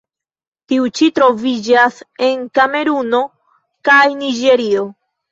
Tiu ĉi troviĝas en Kameruno kaj Niĝerio.